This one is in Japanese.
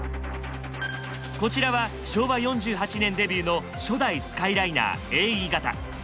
こちらは昭和４８年デビューの初代スカイライナー・ＡＥ形。